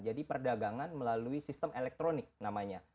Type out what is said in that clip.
jadi perdagangan melalui sistem elektronik namanya